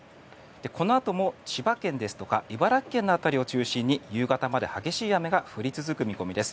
このあとも千葉県ですとか茨城県の辺りを中心に夕方まで激しい雨が降り続く見通しです。